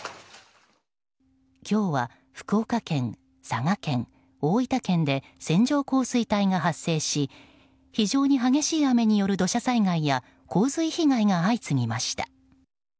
今日は福岡県、佐賀県、大分県で線状降水帯が発生し非常に激しい雨による土砂災害や洪水被害が相次ぎました。